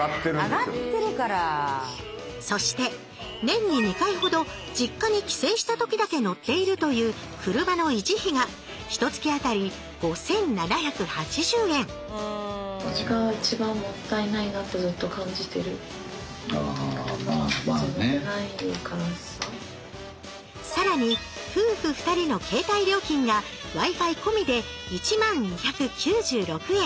そして年に２回ほど実家に帰省した時だけ乗っているという車の維持費がひとつき当たり５，７８０円さらに夫婦２人の携帯料金がＷｉ−Ｆｉ込みで１万２９６円。